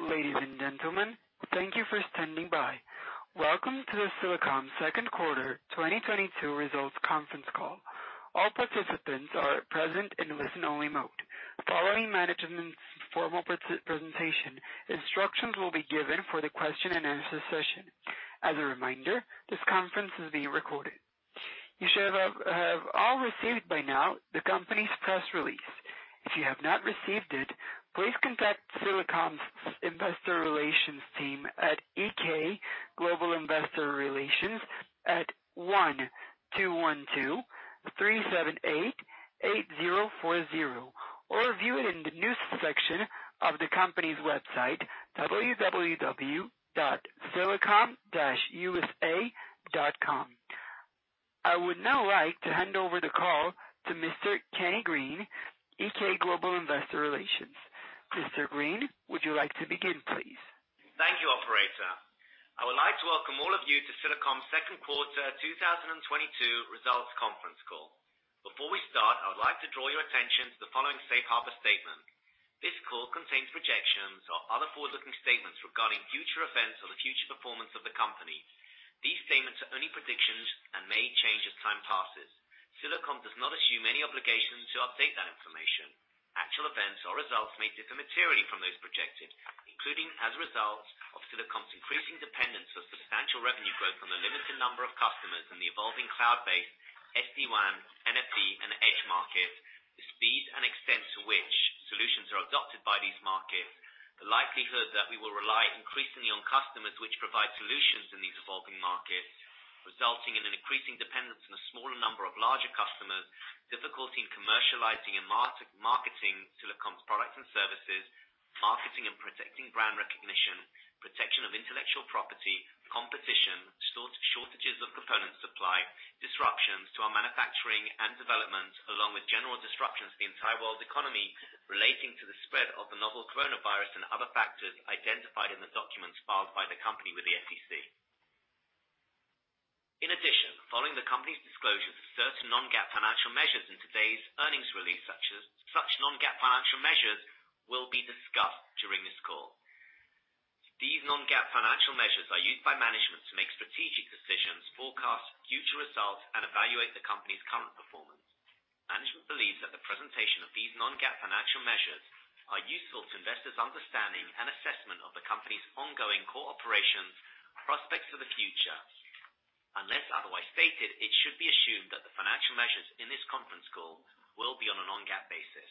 Ladies and gentlemen, thank you for standing by. Welcome to the Silicom second quarter 2022 results conference call. All participants are present in listen-only mode. Following management's formal presentation, instructions will be given for the question and answer session. As a reminder, this conference is being recorded. You should have all received by now the company's press release. If you have not received it, please contact Silicom's investor relations team at EK Global Investor Relations at 1-212-378-8040, or view it in the news section of the company's website, www.silicom-usa.com. I would now like to hand over the call to Mr. Kenny Green, EK Global Investor Relations. Mr. Green, would you like to begin, please? Thank you, operator. I would like to welcome all of you to Silicom's second quarter 2022 results conference call. Before we start, I would like to draw your attention to the following safe harbor statement. This call contains projections or other forward-looking statements regarding future events or the future performance of the company. These statements are only predictions and may change as time passes. Silicom does not assume any obligation to update that information. Actual events or results may differ materially from those projected, including as a result of Silicom's increasing dependence on substantial revenue growth from a limited number of customers in the evolving cloud-based SD-WAN, NFV, and edge markets, the speed and extent to which solutions are adopted by these markets. The likelihood that we will rely increasingly on customers which provide solutions in these evolving markets, resulting in an increasing dependence on a smaller number of larger customers, difficulty in commercializing and marketing Silicom's products and services, marketing and protecting brand recognition, protection of intellectual property, competition, shortages of component supply, disruptions to our manufacturing and development, along with general disruptions to the entire world's economy relating to the spread of the novel coronavirus and other factors identified in the documents filed by the company with the SEC. In addition, following the company's disclosure of certain non-GAAP financial measures in today's earnings release such as non-GAAP financial measures will be discussed during this call. These non-GAAP financial measures are used by management to make strategic decisions, forecast future results, and evaluate the company's current performance. Management believes that the presentation of these non-GAAP financial measures are useful to investors' understanding and assessment of the company's ongoing core operations, prospects for the future. Unless otherwise stated, it should be assumed that the financial measures in this conference call will be on a non-GAAP basis.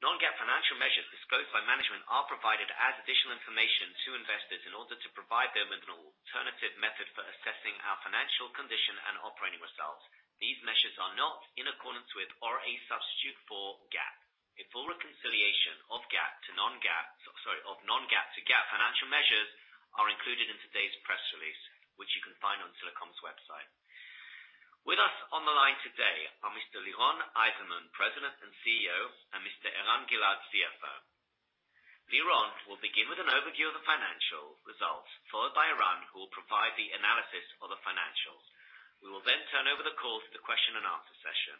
Non-GAAP financial measures disclosed by management are provided to add additional information to investors in order to provide them with an alternative method for assessing our financial condition and operating results. These measures are not in accordance with or a substitute for GAAP. A full reconciliation of non-GAAP to GAAP financial measures are included in today's press release, which you can find on Silicom's website. With us on the line today are Mr. Liron Eizenman, President and CEO, and Mr. Eran Gilad, CFO. Liron will begin with an overview of the financial results, followed by Eran, who will provide the analysis of the financials. We will then turn over the call to the question and answer session.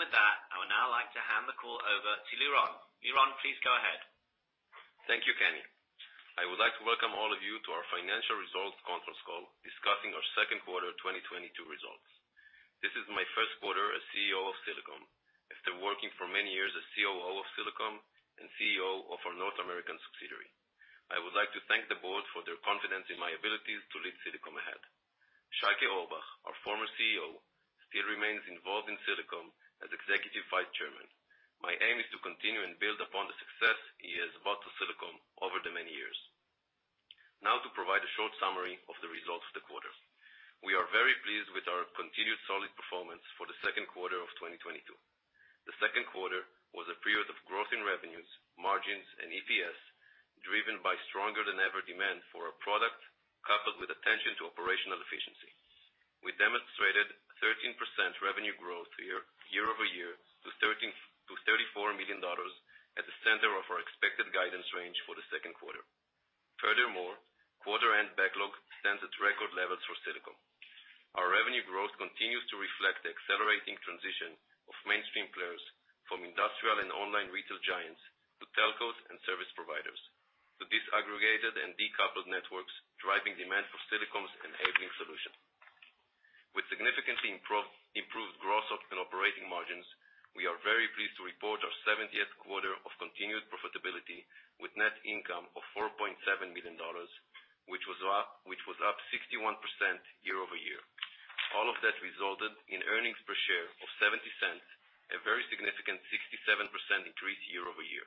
With that, I would now like to hand the call over to Liron. Liron, please go ahead. Thank you, Kenny. I would like to welcome all of you to our financial results conference call discussing our second quarter 2022 results. This is my first quarter as CEO of Silicom after working for many years as COO of Silicom and CEO of our North American subsidiary. I would like to thank the board for their confidence in my abilities to lead Silicom ahead. Yeshayahu Orbach, our former CEO, still remains involved in Silicom as Executive Vice Chairman. My aim is to continue and build upon the success he has brought to Silicom over the many years. Now to provide a short summary of the results of the quarter. We are very pleased with our continued solid performance for the second quarter of 2022. The second quarter was a period of growth in revenues, margins, and EPS, driven by stronger than ever demand for our product, coupled with attention to operational efficiency. We demonstrated 13% revenue growth year-over-year to $34 million at the center of our expected guidance range for the second quarter. Furthermore, quarter end backlog stands at record levels for Silicom. Our revenue growth continues to reflect the accelerating transition of mainstream players from industrial and online retail giants to telcos and service providers, to disaggregated and decoupled networks, driving demand for Silicom's enabling solution. With significantly improved gross and operating margins, we are very pleased to report our 70th quarter of continued profitability with net income of $4.7 million, which was up 61% year-over-year. All of that resulted in earnings per share of $0.70, a very significant 67% increase year-over-year.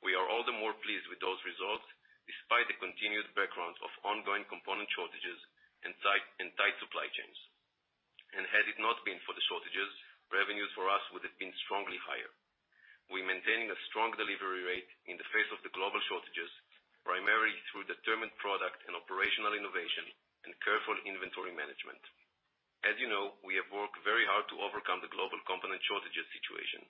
We are all the more pleased with those results, despite the continued background of ongoing component shortages and tight supply chains. Had it not been for the shortages, revenues for us would have been strongly higher. We're maintaining a strong delivery rate in the face of the global shortages, primarily through determined product and operational innovation and careful inventory management. As you know, we have worked very hard to overcome the global component shortages situation,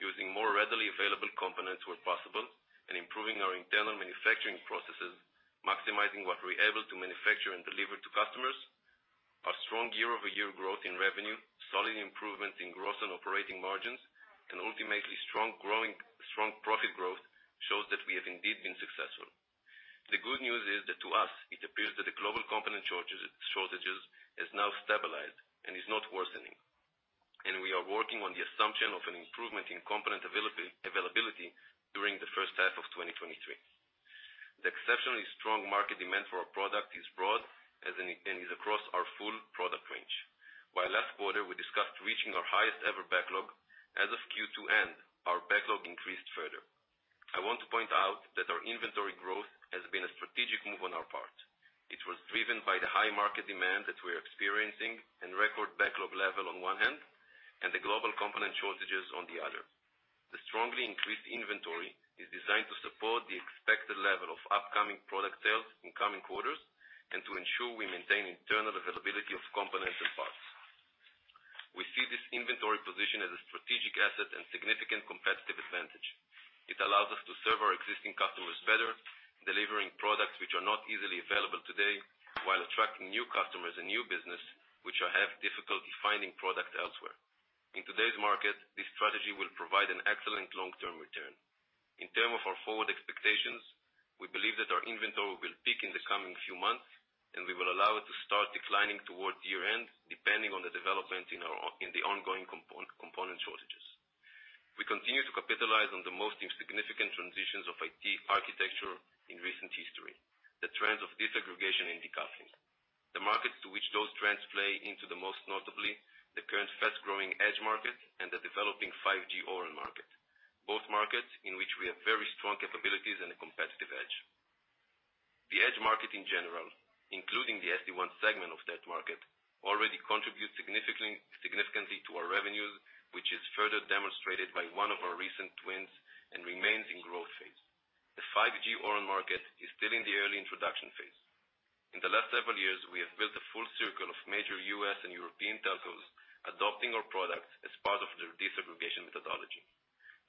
using more readily available components where possible and improving our internal manufacturing processes, maximizing what we're able to manufacture and deliver to customers. Strong year-over-year growth in revenue, solid improvement in gross and operating margins, and ultimately strong profit growth shows that we have indeed been successful. The good news is that to us, it appears that the global component shortages has now stabilized and is not worsening, and we are working on the assumption of an improvement in component availability during the first half of 2023. The exceptionally strong market demand for our product is broad and is across our full product range. While last quarter we discussed reaching our highest ever backlog, as of Q2 end, our backlog increased further. I want to point out that our inventory growth has been a strategic move on our part. It was driven by the high market demand that we're experiencing and record backlog level on one hand, and the global component shortages on the other. The strongly increased inventory is designed to support the expected level of upcoming product sales in coming quarters and to ensure we maintain internal availability of components and parts. We see this inventory position as a strategic asset and significant competitive advantage. It allows us to serve our existing customers better, delivering products which are not easily available today, while attracting new customers and new business which will have difficulty finding product elsewhere. In today's market, this strategy will provide an excellent long-term return. In terms of our forward expectations, we believe that our inventory will peak in the coming few months, and we will allow it to start declining toward year-end, depending on the development in the ongoing component shortages. We continue to capitalize on the most significant transitions of IT architecture in recent history, the trends of disaggregation and decoupling. The markets to which those trends play into the most notably the current fast-growing edge market and the developing 5G O-RAN market, both markets in which we have very strong capabilities and a competitive edge. The edge market in general, including the SD-WAN segment of that market, already contributes significantly to our revenues, which is further demonstrated by one of our recent wins and remains in growth phase. The 5G O-RAN market is still in the early introduction phase. In the last several years, we have built a full circle of major U.S. and European telcos adopting our products as part of their disaggregation methodology.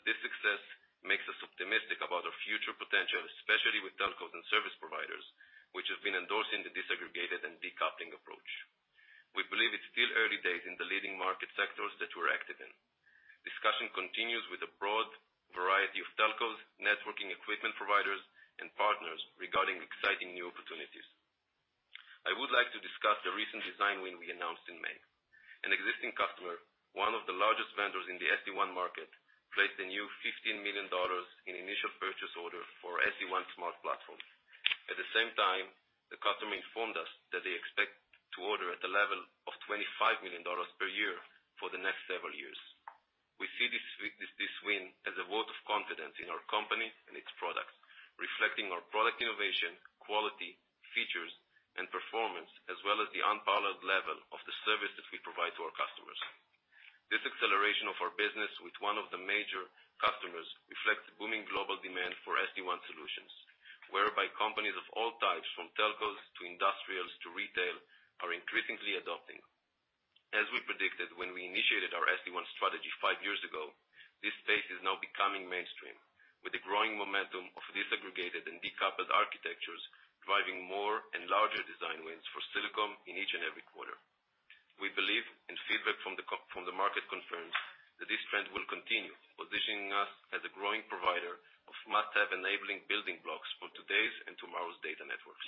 This success makes us optimistic about our future potential, especially with telcos and service providers, which have been endorsing the disaggregated and decoupling approach. We believe it's still early days in the leading market sectors that we're active in. Discussion continues with a broad variety of telcos, networking equipment providers, and partners regarding exciting new opportunities. I would like to discuss the recent design win we announced in May. An existing customer, one of the largest vendors in the SD-WAN market, placed a new $15 million dollar initial purchase order for SD-WAN Smart Platforms. At the same time, the customer informed us that they expect to order at the level of $25 million per year for the next several years. We see this win as a vote of confidence in our company and its products, reflecting our product innovation, quality, features, and performance, as well as the unparalleled level of the service that we provide to our customers. This acceleration of our business with one of the major customers reflects booming global demand for SD-WAN solutions, whereby companies of all types, from telcos to industrials to retail, are increasingly adopting. As we predicted when we initiated our SD-WAN strategy 5 years ago, this space is now becoming mainstream with the growing momentum of disaggregated and decoupled architectures driving more and larger design wins for Silicom in each and every quarter. We believe and feedback from the market confirms that this trend will continue, positioning us as a growing provider of must-have enabling building blocks for today's and tomorrow's data networks.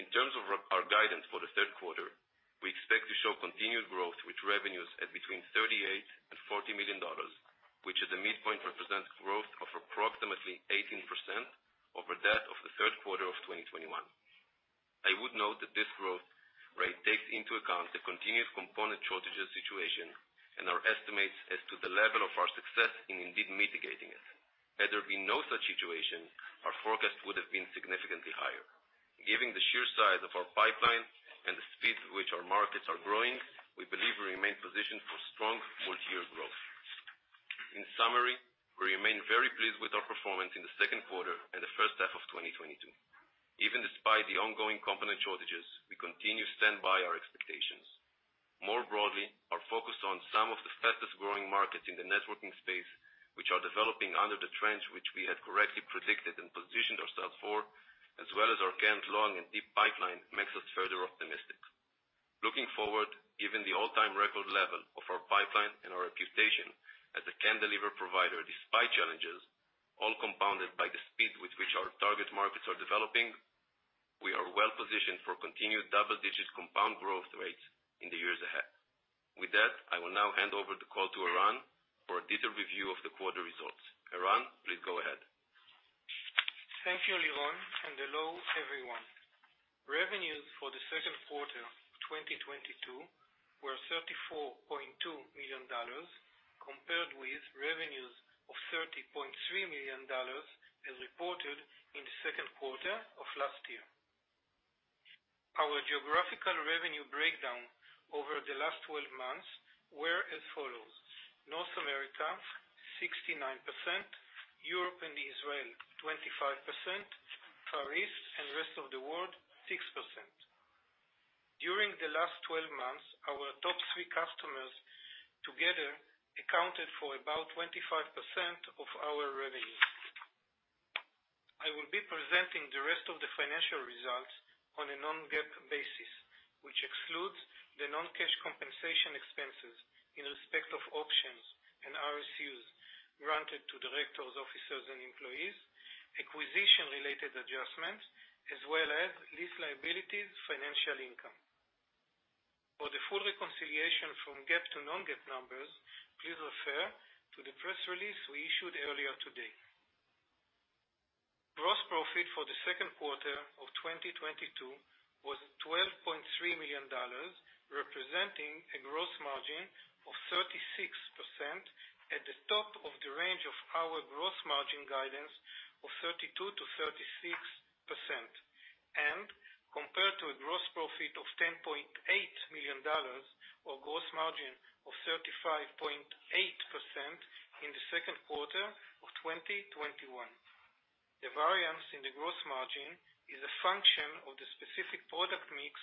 In terms of our guidance for the third quarter, we expect to show continued growth with revenues at between $38 million-$40 million, which at the midpoint represents growth of approximately 18% over that of the third quarter of 2021. I would note that this growth rate takes into account the continued component shortages situation and our estimates as to the level of our success in indeed mitigating it. Had there been no such situation, our forecast would have been significantly higher. Given the sheer size of our pipeline and the speed at which our markets are growing, we believe we remain positioned for strong full-year growth. In summary, we remain very pleased with our performance in the second quarter and the first half of 2022. Even despite the ongoing component shortages, we continue to stand by our expectations. More broadly, our focus on some of the fastest-growing markets in the networking space, which are developing under the trends which we had correctly predicted and positioned ourselves for, as well as our current long and deep pipeline, makes us further optimistic. Looking forward, given the all-time record level of our pipeline and our reputation as a can-deliver provider despite challenges, all compounded by the speed with which our target markets are developing, we are well positioned for continued double-digit compound growth rates in the years ahead. With that, I will now hand over the call to Eran for a detailed review of the quarter results. Eran, please go ahead. Thank you, Liron, and hello everyone. Revenues for the second quarter 2022 were $34.2 million, compared with revenues of $30.3 million as reported in the second quarter of last year. Our geographical revenue breakdown over the last 12 months were as follows: North America, 69%, Europe and Israel, 25%, Far East and rest of the world, 6%. During the last 12 months, our top three customers together accounted for about 25% of our revenue. I will be presenting the rest of the financial results on a non-GAAP basis, which excludes the non-cash compensation expenses in respect of options and RSUs granted to directors, officers, and employees, acquisition-related adjustments, as well as lease liabilities financial income. For the full reconciliation from GAAP to non-GAAP numbers, please refer to the press release we issued earlier today. Gross profit for the second quarter of 2022 was $12.3 million, representing a gross margin of 36% at the top of the range of our gross margin guidance of 32%-36%, and compared to a gross profit of $10.8 million or gross margin of 35.8% in the second quarter of 2021. The variance in the gross margin is a function of the specific product mix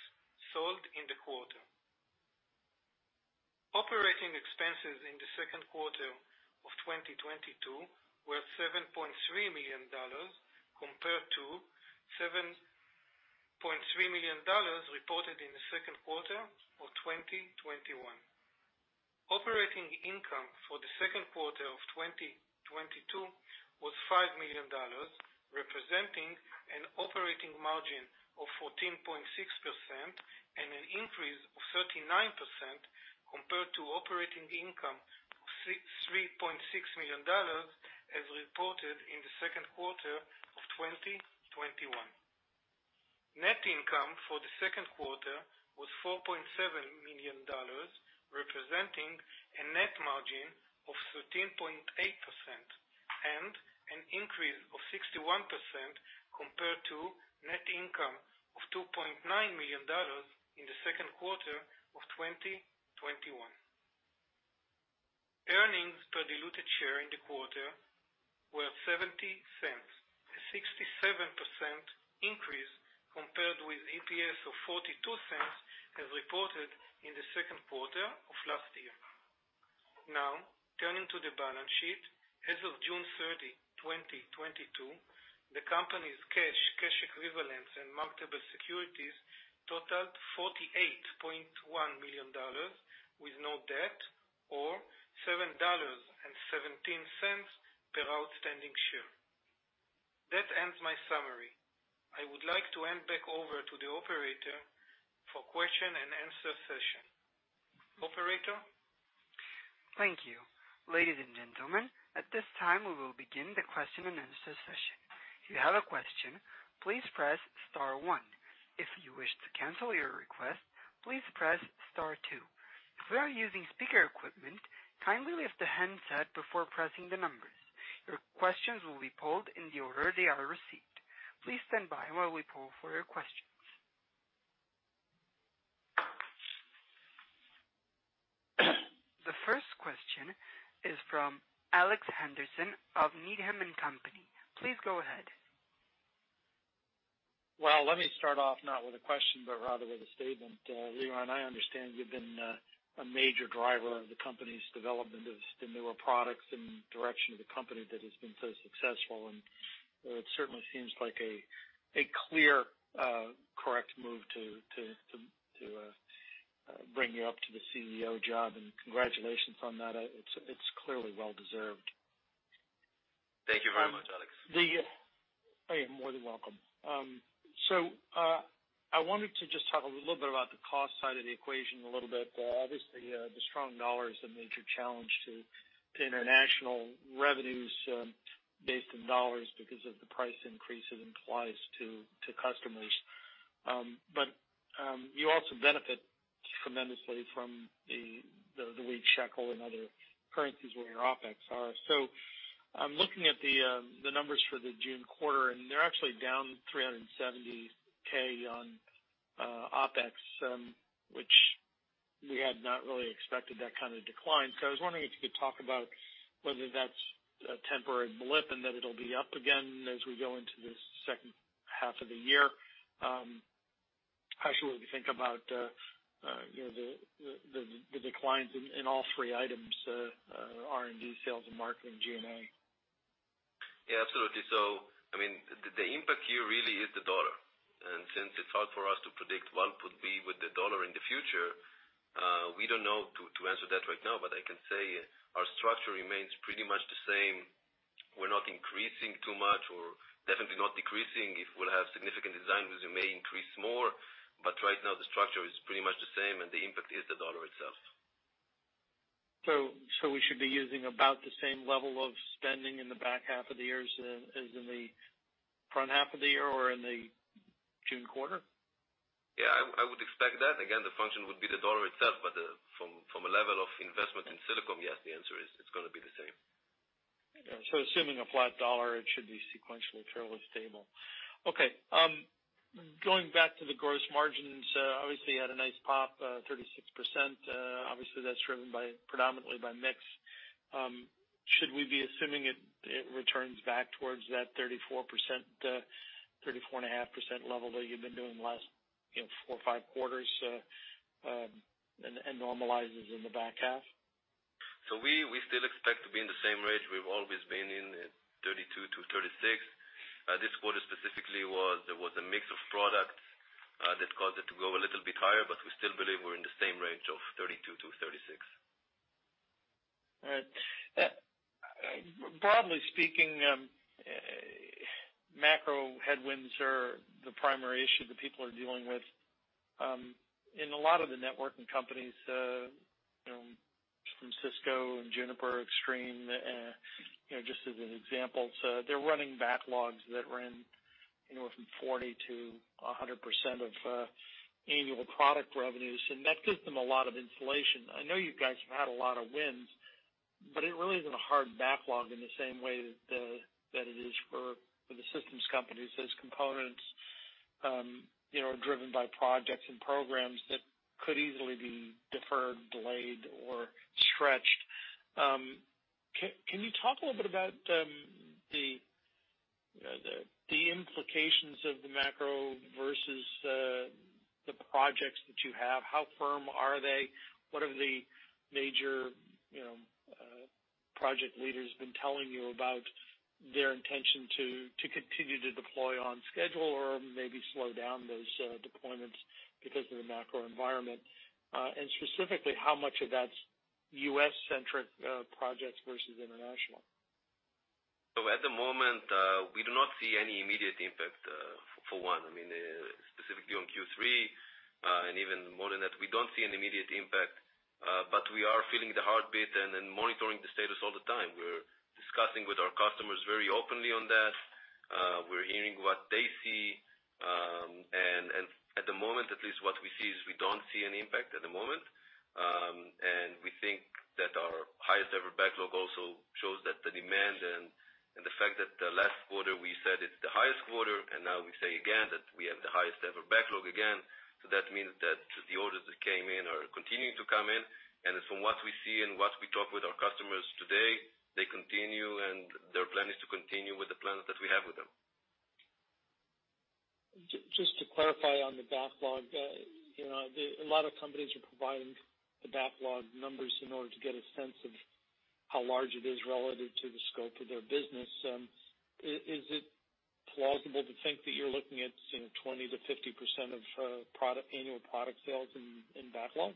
sold in the quarter. Operating expenses in the second quarter of 2022 were $7.3 million compared to $7.3 million reported in the second quarter of 2021. Operating income for the second quarter of 2022 was $5 million, representing an operating margin of 14.6% and an increase of 39% compared to operating income of $3.6 million as reported in the second quarter of 2021. Net income for the second quarter was $4.7 million, representing a net margin of 13.8% and an increase of 61% compared to net income of $2.9 million in the second quarter of 2021. Earnings per diluted share in the quarter were $0.70, a 67% increase compared with EPS of $0.42 as reported in the second quarter of last year. Now, turning to the balance sheet. As of June 30, 2022, the company's cash equivalents, and marketable securities totaled $48.1 million with no debt, or $7.17 per outstanding share. That ends my summary. I would like to hand back over to the operator for question and answer session. Operator? Thank you. Ladies and gentlemen, at this time, we will begin the question and answer session. If you have a question, please press star one. If you wish to cancel your request, please press star two. If you are using speaker equipment, kindly lift the handset before pressing the numbers. Your questions will be pulled in the order they are received. Please stand by while we poll for your questions. The first question is from Alex Henderson of Needham & Company. Please go ahead. Well, let me start off not with a question, but rather with a statement. Liron, I understand you've been a major driver of the company's development of the newer products and direction of the company that has been so successful, and it certainly seems like a clear correct move to bring you up to the CEO job, and congratulations on that. It's clearly well-deserved. Thank you very much, Alex. Oh, you're more than welcome. I wanted to just talk a little bit about the cost side of the equation a little bit. Obviously, the strong dollar is a major challenge to international revenues, based in dollars because of the price increases implied to customers. But you also benefit tremendously from the weak shekel and other currencies where your OpEx are. I'm looking at the numbers for the June quarter, and they're actually down $370K on OpEx, which we had not really expected that kind of decline. I was wondering if you could talk about whether that's a temporary blip and that it'll be up again as we go into this second half of the year. How should we think about, you know, the declines in all three items, R&D, sales and marketing, G&A? Yeah, absolutely. I mean, the impact here really is the dollar. Since it's hard for us to predict what would be with the dollar in the future, we don't know to answer that right now. I can say our structure remains pretty much the same. We're not increasing too much or definitely not decreasing. If we'll have significant design wins, we may increase more. Right now, the structure is pretty much the same, and the impact is the dollar itself. We should be using about the same level of spending in the back half of the year as in the front half of the year or in the June quarter? Yeah, I would expect that. Again, the function would be the dollar itself. From a level of investment in Silicom, yes, the answer is it's gonna be the same. Yeah. Assuming a flat dollar, it should be sequentially fairly stable. Okay. Going back to the gross margins, obviously you had a nice pop, 36%. Obviously that's driven by predominantly by mix. Should we be assuming it returns back towards that 34%, 34.5% level that you've been doing the last, you know, four or five quarters, and normalizes in the back half? We still expect to be in the same range we've always been in, 32%-36%. This quarter specifically, there was a mix of products that caused it to go a little bit higher, but we still believe we're in the same range of 32%-36%. All right. Broadly speaking, macro headwinds are the primary issue that people are dealing with in a lot of the networking companies, you know, from Cisco and Juniper, Extreme, you know, just as an example. They're running backlogs that run, you know, from 40%-100% of annual product revenues. That gives them a lot of insulation. I know you guys have had a lot of wins, but it really isn't a hard backlog in the same way that it is for the systems companies. Those components, you know, are driven by projects and programs that could easily be deferred, delayed, or stretched. Can you talk a little bit about the implications of the macro versus the projects that you have? How firm are they? What have the major, you know, project leaders been telling you about their intention to continue to deploy on schedule or maybe slow down those deployments because of the macro environment? Specifically, how much of that's U.S.-centric projects versus international? At the moment, we do not see any immediate impact, for one. I mean, specifically on Q3, and even more than that, we don't see an immediate impact, but we are feeling the heartbeat and monitoring the status all the time. We're discussing with our customers very openly on that. We're hearing what they see. At the moment, at least what we see is we don't see an impact at the moment. We think that our highest ever backlog also shows that the demand and the fact that the last quarter we said it's the highest quarter, and now we say again that we have the highest ever backlog again, so that means that the orders that came in are continuing to come in. From what we see and what we talk with our customers today, they continue, and their plan is to continue with the plans that we have with them. Just to clarify on the backlog, you know, a lot of companies are providing the backlog numbers in order to get a sense of how large it is relative to the scope of their business. Is it plausible to think that you're looking at, you know, 20%-50% of product annual product sales in backlog?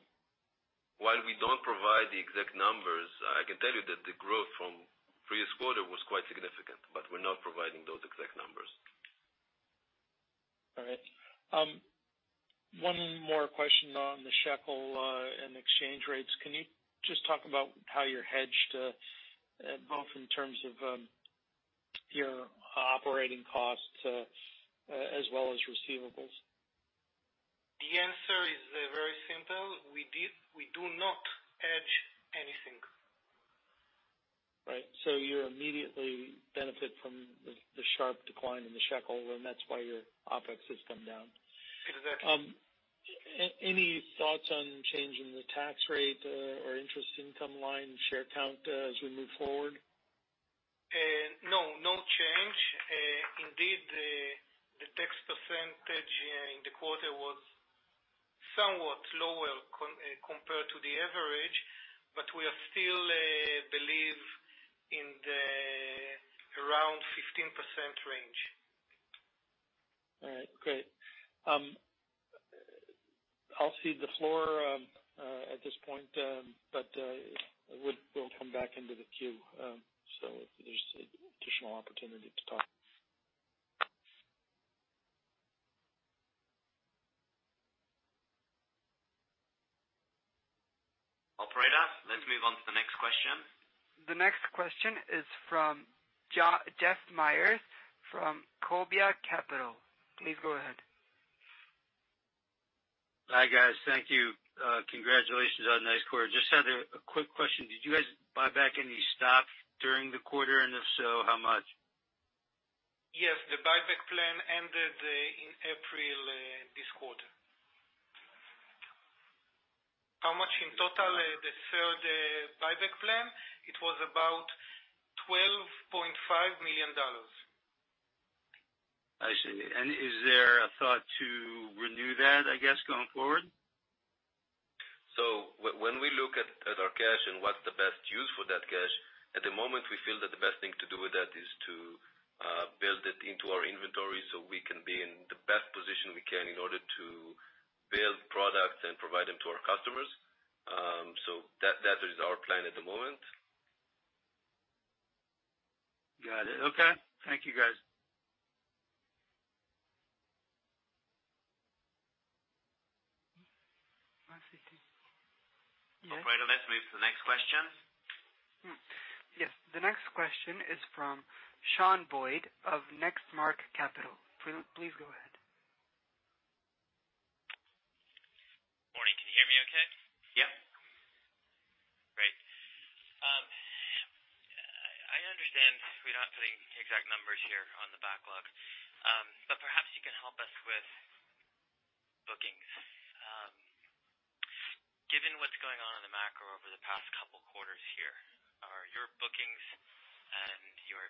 While we don't provide the exact numbers, I can tell you that the growth from previous quarter was quite significant, but we're not providing those exact numbers. All right. One more question on the shekel and exchange rates. Can you just talk about how you're hedged, both in terms of your operating costs as well as receivables? The answer is very simple. We do not hedge anything. Right. You immediately benefit from the sharp decline in the shekel, and that's why your OpEx has come down. Exactly. Any thoughts on changing the tax rate or interest income line share count, as we move forward? No change. Indeed, the tax percentage in the quarter was somewhat lower compared to the average, but we are still believe in the around 15% range. All right. Great. I'll cede the floor at this point, but we'll come back into the queue, so if there's additional opportunity to talk. Operator, let's move on to the next question. The next question is from Jeff Meyers from Cobia Capital. Please go ahead. Hi, guys. Thank you. Congratulations on a nice quarter. Just had a quick question. Did you guys buy back any stocks during the quarter? If so, how much? Yes, the buyback plan ended in April this quarter. How much in total? The third buyback plan, it was about $12.5 million. I see. Is there a thought to renew that, I guess, going forward? When we look at our cash and what's the best use for that cash, at the moment, we feel that the best thing to do with that is to build it into our inventory so we can be in the best position we can in order to build products and provide them to our customers. That is our plan at the moment. Got it. Okay. Thank you, guys. Yes. Operator, let's move to the next question. Yes. The next question is from Shawn Boyd of Next Mark Capital. Please go ahead. Morning. Can you hear me okay? Yeah. Great. I understand we're not putting exact numbers here on the backlog, but perhaps you can help us with bookings. Given what's going on in the macro over the past couple quarters here.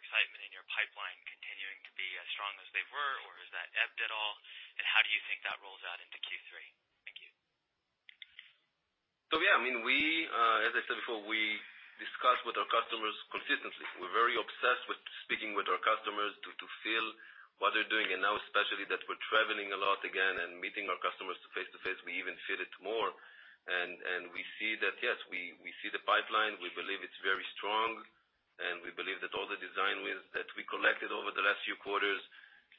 Excitement in your pipeline continuing to be as strong as they were or has that ebbed at all? And how do you think that rolls out into Q3? Thank you. Yeah, I mean, we, as I said before, we discuss with our customers consistently. We're very obsessed with speaking with our customers to feel what they're doing. Now especially that we're traveling a lot again and meeting our customers face-to-face, we even feel it more. We see that yes, we see the pipeline. We believe it's very strong, and we believe that all the design wins that we collected over the last few quarters,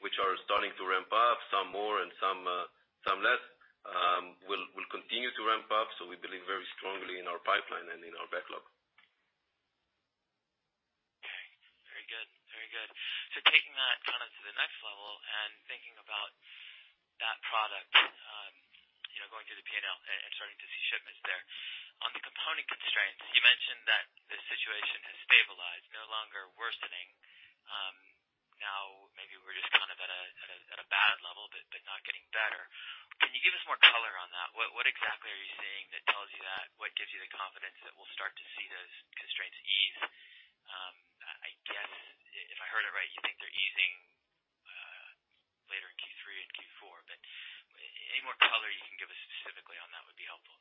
which are starting to ramp up, some more and some less, will continue to ramp up, so we believe very strongly in our pipeline and in our backlog. Okay, very good. Taking that kind of to the next level and thinking about that product, you know, going through the P&L and starting to see shipments there, on the component constraints, you mentioned that the situation has stabilized, no longer worsening. Now maybe we're just kind of at a bad level, but not getting better. Can you give us more color on that? What exactly are you seeing that tells you that? What gives you the confidence that we'll start to see those constraints ease? I guess if I heard it right, you think they're easing later in Q3 and Q4, but any more color you can give us specifically on that would be helpful.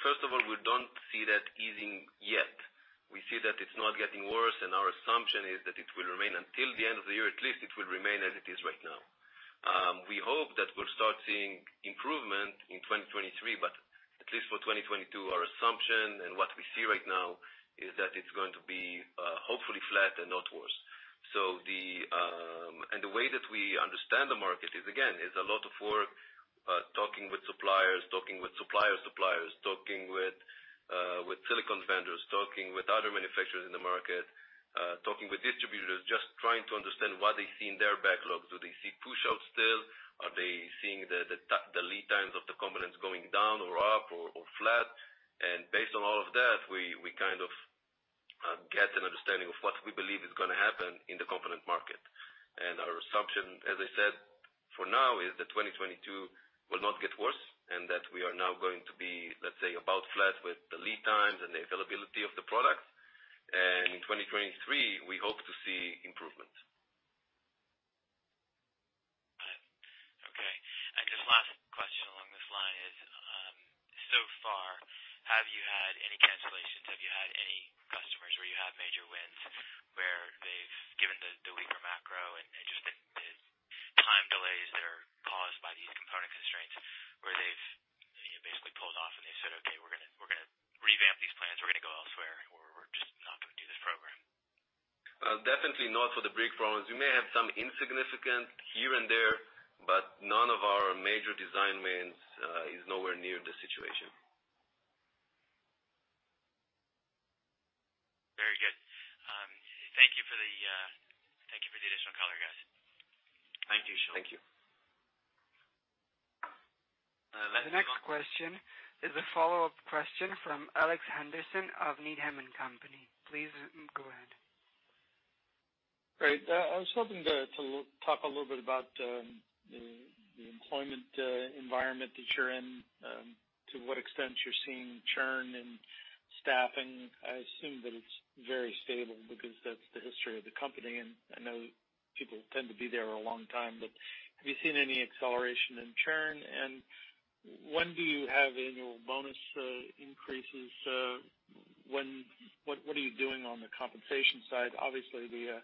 First of all, we don't see that easing yet. We see that it's not getting worse, and our assumption is that it will remain until the end of the year, at least it will remain as it is right now. We hope that we'll start seeing improvement in 2023, but at least for 2022, our assumption and what we see right now is that it's going to be, hopefully flat and not worse. The way that we understand the market is, again, it's a lot of work, talking with suppliers, talking with supplier's suppliers, talking with silicon vendors, talking with other manufacturers in the market, talking with distributors, just trying to understand what they see in their backlogs. Do they see pushouts still? Are they seeing the lead times of the components going down or up or flat? Based on all of that, we kind of get an understanding of what we believe is gonna happen in the component market. Our assumption, as I said, for now is that 2022 will not get worse, and that we are now going to be, let's say, about flat with the lead times and the availability of the products. In 2023, we hope to see improvement. All right. Okay. Just last question along this line is, so far, have you had any cancellations? Have you had any customers where you have major wins, where they've, given the weaker macro and just the time delays that are caused by these component constraints, where they've, you know, basically pulled off and they said, "Okay, we're gonna revamp these plans. We're gonna go elsewhere, or we're just not gonna do this program"? Definitely not for the big problems. We may have some insignificant here and there, but none of our major design wins is nowhere near the situation. Very good. Thank you for the additional color, guys. Thank you, Shawn. Thank you. Last one. The next question is a follow-up question from Alex Henderson of Needham & Company. Please, go ahead. Great. I was hoping to talk a little bit about the employment environment that you're in, to what extent you're seeing churn in staffing. I assume that it's very stable because that's the history of the company, and I know people tend to be there a long time, but have you seen any acceleration in churn, and when do you have annual bonus increases? What are you doing on the compensation side? Obviously, the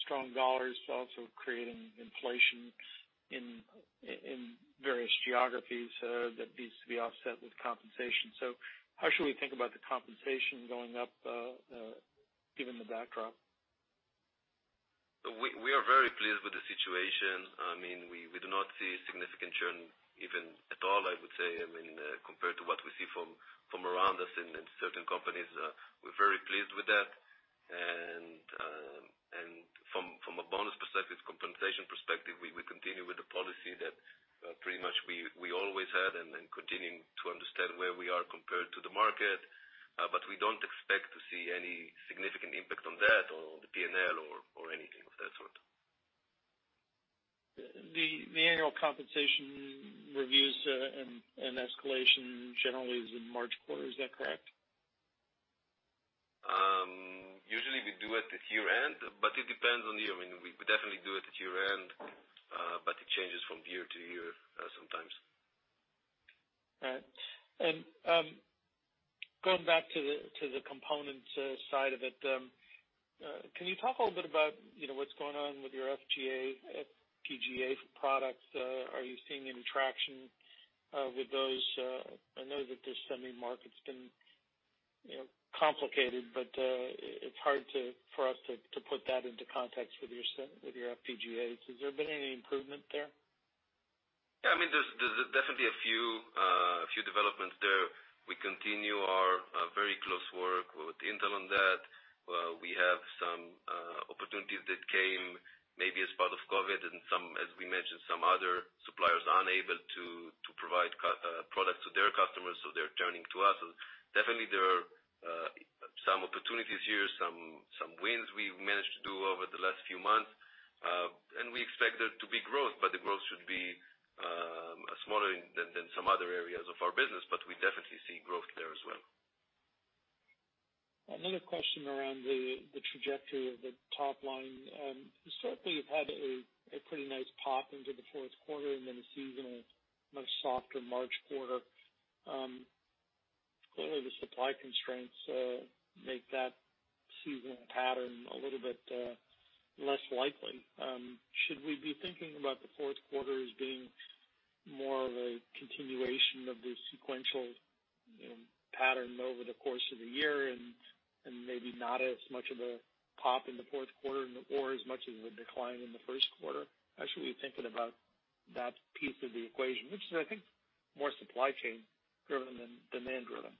strong dollar is also creating inflation in various geographies that needs to be offset with compensation. How should we think about the compensation going up given the backdrop? We are very pleased with the situation. I mean, we do not see significant churn even at all, I would say, I mean, compared to what we see from around us in certain companies. We're very pleased with that. From a bonus perspective, compensation perspective, we continue with the policy that pretty much we always had and then continuing to understand where we are compared to the market, but we don't expect to see any significant impact on that or the P&L or anything of that sort. The annual compensation reviews and escalation generally is in March quarter, is that correct? Usually we do it at year-end. I mean, we definitely do it at year-end, but it changes from year to year, sometimes. All right. Going back to the components side of it, can you talk a little bit about, you know, what's going on with your FPGA products? Are you seeing any traction with those? I know that the semi market's been, you know, complicated, but it's hard for us to put that into context with your FPGAs. Has there been any improvement there? Yeah, I mean, there's definitely a few developments there. We continue our very close work with Intel on that. We have some opportunities that came maybe as part of COVID and some, as we mentioned, some other suppliers unable to provide products to their customers, so they're turning to us. So definitely there are some opportunities here, some wins we've managed to do over the last few months, and we expect there to be growth. Other areas of our business, but we definitely see growth there as well. Another question around the trajectory of the top line. Certainly, you've had a pretty nice pop into the fourth quarter and then a seasonal much softer March quarter. Clearly, the supply constraints make that seasonal pattern a little bit less likely. Should we be thinking about the fourth quarter as being more of a continuation of the sequential pattern over the course of the year and maybe not as much of a pop in the fourth quarter or as much as a decline in the first quarter? How should we be thinking about that piece of the equation, which is, I think, more supply chain driven than demand driven?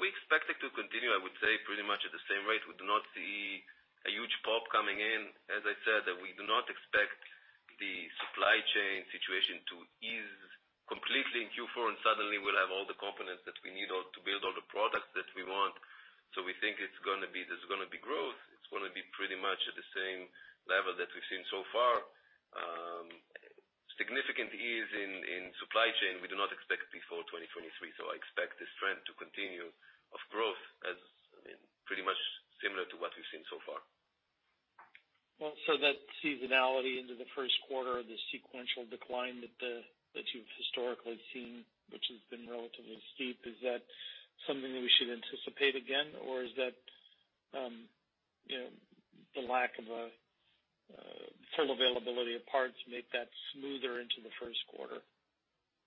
We expect it to continue, I would say, pretty much at the same rate. We do not see a huge pop coming in. As I said, that we do not expect the supply chain situation to ease completely in Q4, and suddenly we'll have all the components that we need to build all the products that we want. We think it's gonna be. There's gonna be growth. It's gonna be pretty much at the same level that we've seen so far. Significant ease in supply chain, we do not expect before 2023, I expect this trend to continue of growth as, I mean, pretty much similar to what we've seen so far. That seasonality into the first quarter, the sequential decline that you've historically seen, which has been relatively steep, is that something that we should anticipate again? Or is that, you know, the lack of a full availability of parts make that smoother into the first quarter?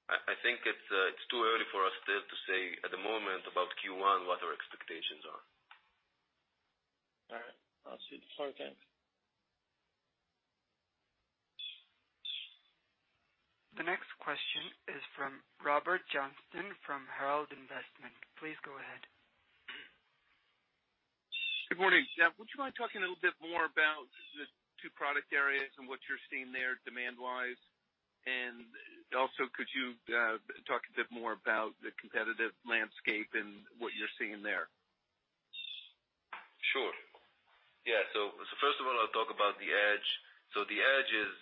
I think it's too early for us still to say at the moment about Q1 what our expectations are. All right. I'll see. Okay. The next question is from Robert Johnston from Herald Investment.Please go ahead. Good morning. Yeah, would you mind talking a little bit more about the two product areas and what you're seeing there demand-wise? Also, could you talk a bit more about the competitive landscape and what you're seeing there? Sure. Yeah. First of all, I'll talk about the edge. The edge is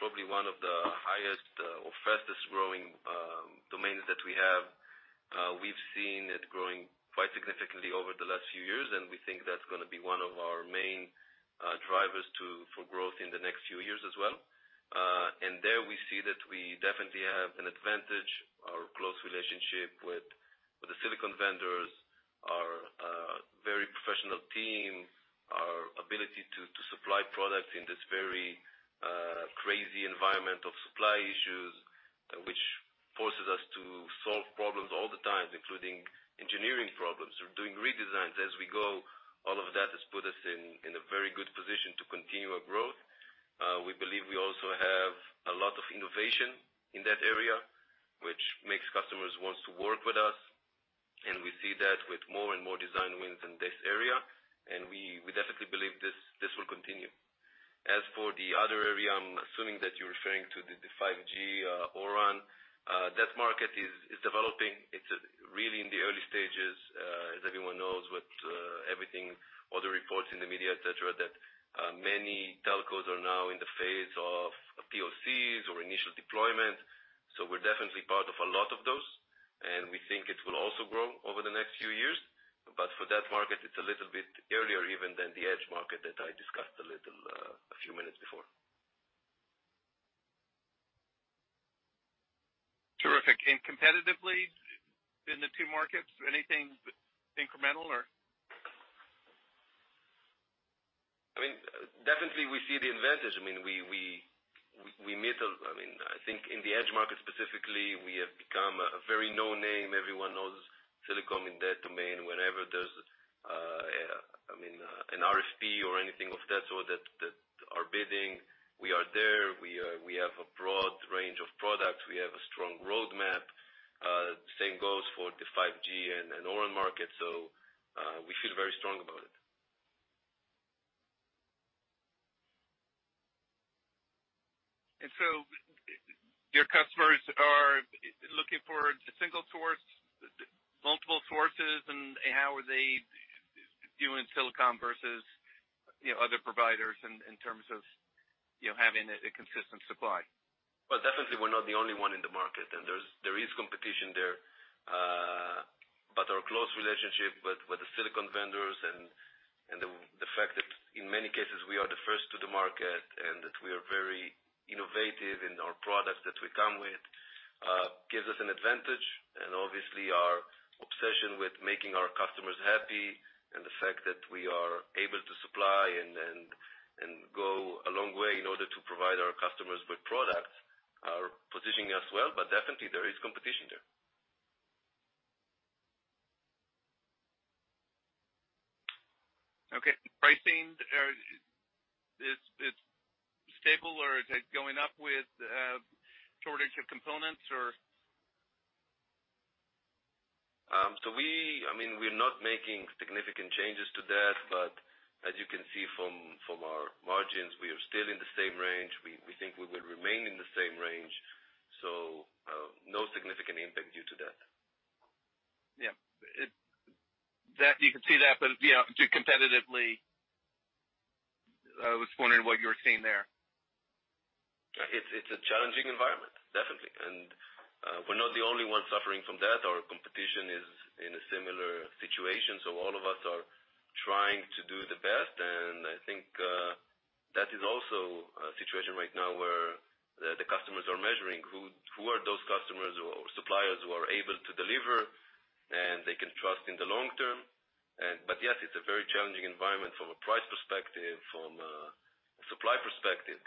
probably one of the highest or fastest-growing domains that we have. We've seen it growing quite significantly over the last few years, and we think that's gonna be one of our main drivers for growth in the next few years as well. We see that we definitely have an advantage. Our close relationship with the silicon vendors, our very professional team, our ability to supply products in this very crazy environment of supply issues, which forces us to solve problems all the time, including engineering problems. We're doing redesigns as we go. All of that has put us in a very good position to continue our growth. We believe we also have a lot of innovation in that area, which makes customers wants to work with us, and we see that with more and more design wins in this area, and we definitely believe this will continue. As for the other area, I'm assuming that you're referring to the 5G O-RAN. That market is developing. It's really in the early stages, as everyone knows with everything, all the reports in the media, et cetera, that many telcos are now in the phase of POCs or initial deployment. We're definitely part of a lot of those, and we think it will also grow over the next few years. For that market, it's a little bit earlier even than the edge market that I discussed a little a few minutes before. Terrific. Competitively in the two markets, anything incremental or? I mean, definitely we see the advantage. I mean, I think in the edge market specifically, we have become a very known name. Everyone knows Silicom in that domain. Whenever there's an RFP or anything of that sort that are bidding, we are there. We have a broad range of products. We have a strong roadmap. The same goes for the 5G and O-RAN market, so we feel very strong about it. Your customers are looking for a single source, multiple sources, and how are they doing Silicom versus, you know, other providers in terms of, you know, having a consistent supply? Well, definitely we're not the only one in the market, and there is competition there. Our close relationship with the silicon vendors and the fact that in many cases we are the first to the market and that we are very innovative in our products that we come with gives us an advantage. Obviously our obsession with making our customers happy and the fact that we are able to supply and go a long way in order to provide our customers with products are positioning us well, but definitely there is competition there. Okay. Pricing is stable or is it going up with shortage of components or? I mean, we're not making significant changes to that, but as you can see from our margins, we are still in the same range. We think we will remain in the same range, so no significant That you can see that, but you know, do competitively. I was wondering what you were seeing there. It's a challenging environment, definitely. We're not the only one suffering from that. Our competition is in a similar situation, so all of us are trying to do the best. I think that is also a situation right now where the customers are measuring who are those customers or suppliers who are able to deliver, and they can trust in the long term. Yes, it's a very challenging environment from a price perspective, from a supply perspective,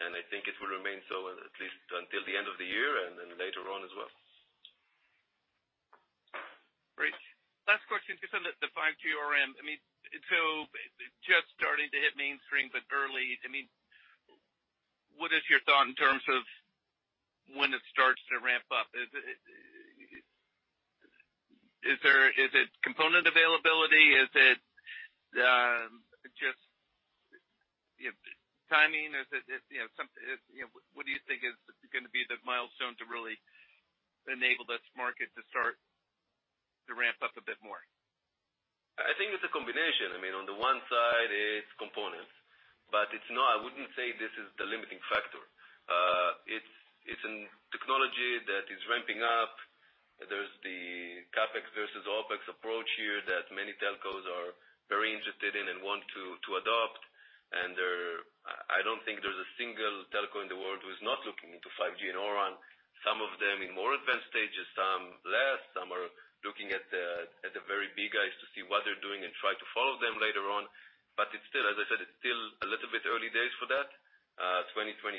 yeah. I think it will remain so at least until the end of the year and then later on as well. Great. Last question. You said that the 5G O-RAN, I mean, so just starting to hit mainstream, but early. I mean, what is your thought in terms of when it starts to ramp up? Is it component availability? Is it just, you know, timing? What do you think is gonna be the milestone to really enable this market to start to ramp up a bit more? I think it's a combination. I mean, on the one side, it's components, but it's not. I wouldn't say this is the limiting factor. It's a technology that is ramping up. There's the CapEx versus OpEx approach here that many telcos are very interested in and want to adopt. I don't think there's a single telco in the world who's not looking into 5G and ORAN. Some of them in more advanced stages, some less, some are looking at the very big guys to see what they're doing and try to follow them later on. It's still, as I said, a little bit early days for that. 2023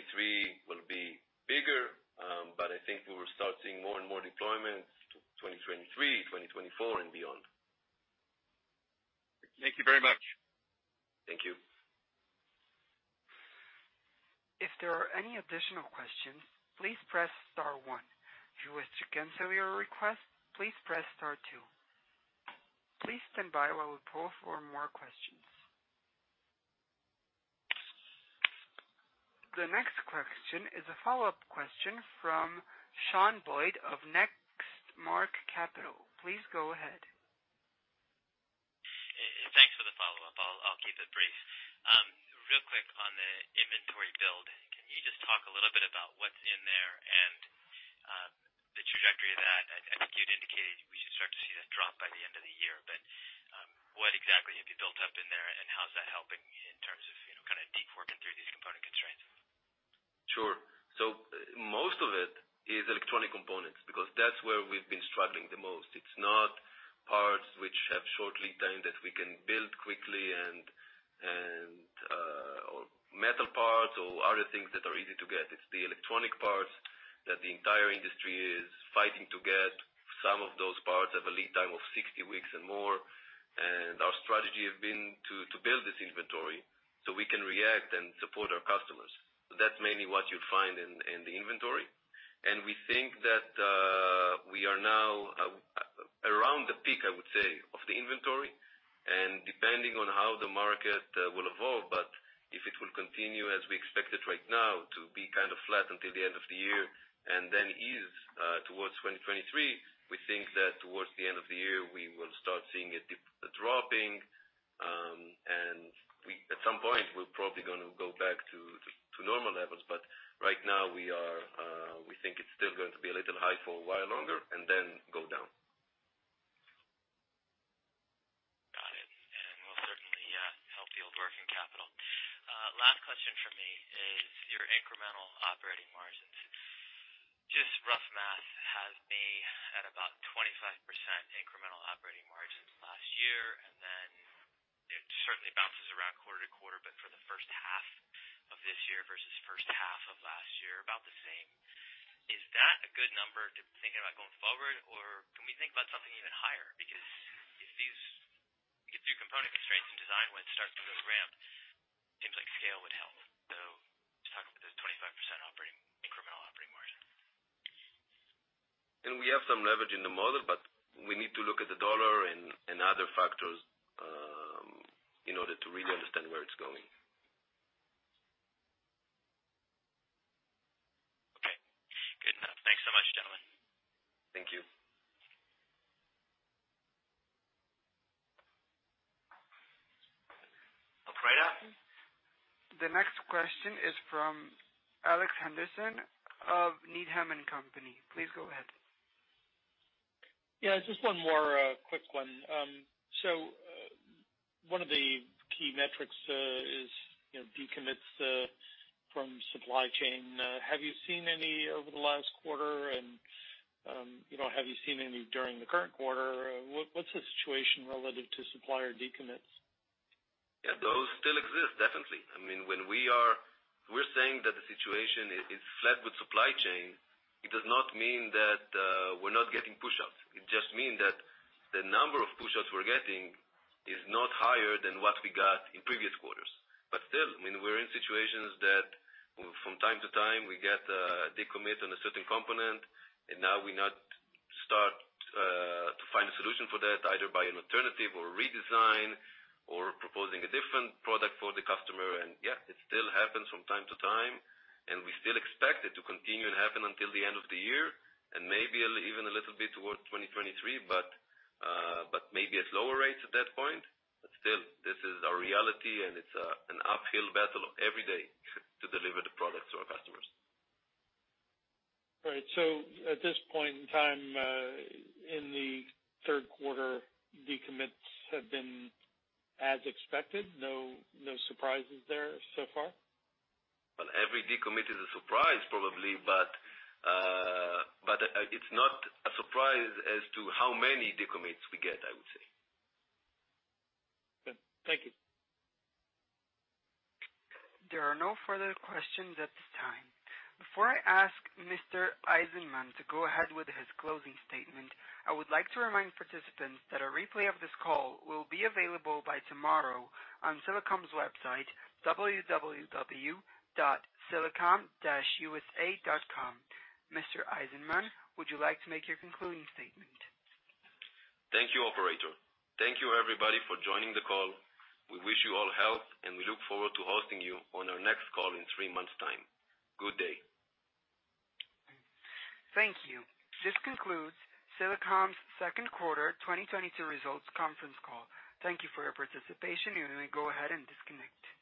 will be bigger, but I think we will start seeing more and more deployments 2023, 2024 and beyond. Thank you very much. Thank you. If there are any additional questions, please press star one. If you wish to cancel your request, please press star two. Please stand by while we poll for more questions. The next question is a follow-up question from Shawn Boyd of Next Mark Capital. Please go ahead. Thanks for the follow-up. I'll keep it brief. Real quick on the inventory build, can you just talk a little bit about what's in there and the trajectory of that? I think you'd indicated we should start to see that drop by the end of the year. What exactly have you built up in there, and how's that helping in terms of, you know, kinda deep working through these component constraints? Sure. Most of it is electronic components because that's where we've been struggling the most. It's not parts which have short lead time that we can build quickly and or metal parts or other things that are easy to get. It's the electronic parts that the entire industry is fighting to get. Some of those parts have a lead time of 60 weeks and more, and our strategy has been to build this inventory so we can react and support our customers. That's mainly what you'd find in the inventory. We think that we are now around the peak, I would say, of the inventory, and depending on how the market will evolve. If it will continue as we expect it right now to be kind of flat until the end of the year and then ease towards 2023, we think that towards the end of the year, we will start seeing a dip, a dropping. At some point, we're probably gonna go back to normal levels. Right now, we are, we think it's still going to be a little high for a while longer and then go down. Got it. Will certainly help the working capital. Last question from me is your incremental operating margins. Just rough math has me at about 25% incremental operating margins last year, and then it certainly bounces around quarter to quarter, but for the first half of this year versus first half of last year, about the same. Is that a good number to think about going forward, or can we think about something even higher? Because if these, if your component constraints and design wins start to really ramp, seems like scale would help. Just talking about those 25% incremental operating margin. We have some leverage in the model, but we need to look at the dollar and other factors in order to really understand where it's going. Okay, good enough. Thanks so much, gentlemen. Thank you. Operator. The next question is from Alex Henderson of Needham & Company. Please go ahead. Yeah, just one more, quick one. One of the key metrics is, you know, decommits from supply chain. Have you seen any over the last quarter? You know, have you seen any during the current quarter? What's the situation relative to supplier decommits? Yeah, those still exist, definitely. I mean, we're saying that the situation is flat with supply chain. It does not mean that we're not getting pushouts. It just mean that the number of pushouts we're getting is not higher than what we got in previous quarters. Still, I mean, we're in situations that from time to time we get a decommit on a certain component, and now we start to find a solution for that, either by an alternative or a redesign or proposing a different product for the customer. Yeah, it still happens from time to time, and we still expect it to continue and happen until the end of the year and maybe a little, even a little bit towards 2023, but maybe at lower rates at that point. Still, this is our reality, and it's an uphill battle every day to deliver the product to our customers. All right. At this point in time, in the third quarter, decommits have been as expected? No, no surprises there so far? Well, every decommit is a surprise probably, but it's not a surprise as to how many decommits we get, I would say. Good. Thank you. There are no further questions at this time. Before I ask Mr. Eizenman to go ahead with his closing statement, I would like to remind participants that a replay of this call will be available by tomorrow on Silicom's website, www.silicom-usa.com. Mr. Eizenman, would you like to make your concluding statement? Thank you, operator. Thank you everybody for joining the call. We wish you all health, and we look forward to hosting you on our next call in three months' time. Good day. Thank you. This concludes Silicom's second quarter 2022 results conference call. Thank you for your participation. You may go ahead and disconnect.